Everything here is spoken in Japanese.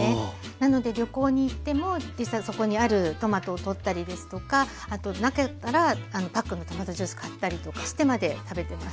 なので旅行に行っても実際そこにあるトマトをとったりですとかあとなかったらパックのトマトジュース買ったりとかしてまで食べてます。